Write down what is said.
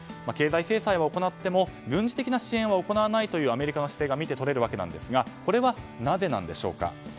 経済制裁を行っても軍事的な支援は行わないというアメリカの姿勢が見て取れるわけなんですがこれは、なぜなんでしょうか。